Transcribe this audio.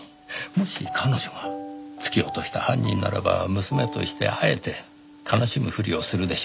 もし彼女が突き落とした犯人ならば娘としてあえて悲しむふりをするでしょう。